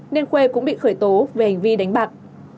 nên khuê cũng bị khởi tố về hành vi đánh bạc